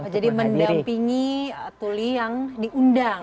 jadi mendampingi tuli yang diundang